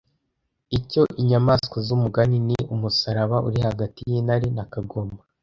Icyo inyamaswa z'umugani ni umusaraba uri hagati y'intare na kagoma